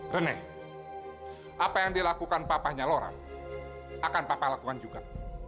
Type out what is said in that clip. rene apa yang dilakukan papahnya lorang akan papa lakukan juga